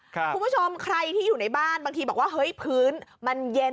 คุณผู้ชมใครที่อยู่ในบ้านบางทีบอกว่าเฮ้ยพื้นมันเย็น